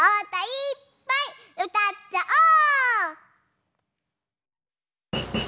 いっぱいうたっちゃおう！